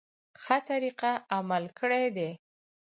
ښه طریقه عمل کړی دی.